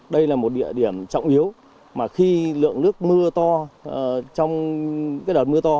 đây là một địa điểm trọng yếu mà khi lượng nước mưa to trong cái đợt mưa to